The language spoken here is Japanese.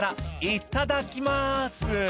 「いただきます」